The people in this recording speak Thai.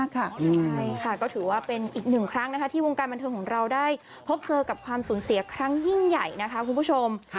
ใช่ค่ะก็ถือว่าเป็นอีกหนึ่งครั้งที่วงการบันเทิงของเราได้พบเจอกับความสูญเสียครั้งยิ่งใหญ่นะคะคุณผู้ชม